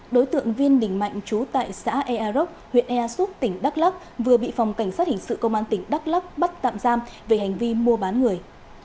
đối tượng viên đình mạnh trú tại xã ea rốc huyện ea xuất tỉnh đắk lắk vừa bị phòng cảnh sát hình sự công an tỉnh đắk lắk bắt tạm giam về hành vi mua bán người